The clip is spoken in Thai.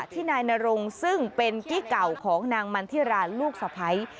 ที่นายนรงซึ่งเป็นกี้เก่าของนางมันทิราลูกสะพ้าย